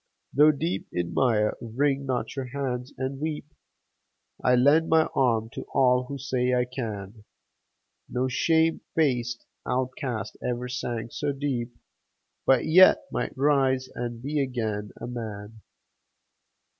Though deep in mire, wring not your hands and weep; I lend my arm to all who say "I can!" No shame faced outcast ever sank so deep, But yet might rise and be again a man